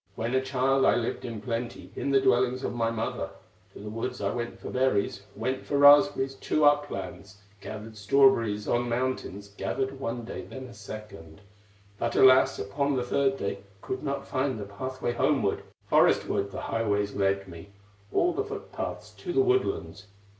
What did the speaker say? "When a child I lived in plenty In the dwellings of my mother; To the woods I went for berries, Went for raspberries to uplands, Gathered strawberries on mountains, Gathered one day then a second; But, alas! upon the third day, Could not find the pathway homeward, Forestward the highways led me, All the footpaths, to the woodlands.